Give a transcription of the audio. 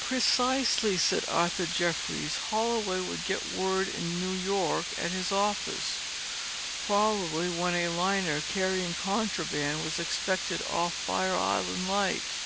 "Precisely," said Arthur Jeffries. "Holloway would get word in New York at his office, probably, when a liner carrying contraband was expected off Fire Island light.